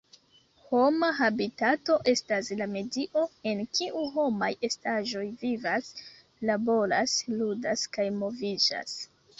Homa habitato estas la medio en kiu homaj estaĵoj vivas, laboras, ludas kaj moviĝas.